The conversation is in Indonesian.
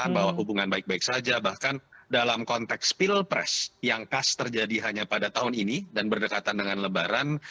bahwa hubungan baik baik saja bahkan dalam konteks pilpres yang khas terjadi hanya pada tahun ini dan berdekatan dengan lebaran